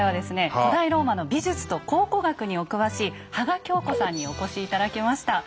古代ローマの美術と考古学にお詳しい芳賀京子さんにお越し頂きました。